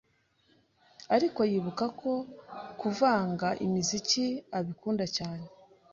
ariko yibuka ko kuvanga imiziki abikunda cyane